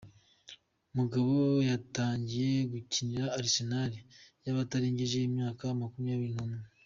Mugabo yatangiye gukinira Arsenal y’abatarengeje imyaka Makumyabiri Numwe